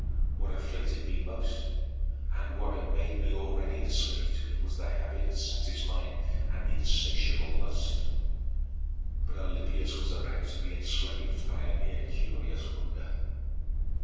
What afflicted me most and what had made me already a slave to it was the habit of satisfying an insatiable lust; but Alypius was about to be enslaved by a merely curious wonder.